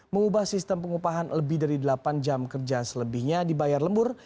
mengubah sistem pengupahan lebih dari delapan jam kerja selebihnya dibayar lembur